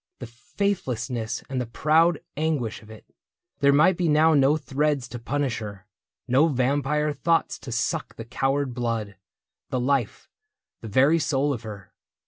The faithlessness and the proud anguish of it. There might be now no threads to punish her. No vampire thoughts to suck the coward blood. The life, the very soul of her.